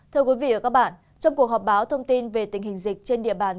thưa quý vị và các bạn trong cuộc họp báo thông tin về tình hình dịch trên địa bàn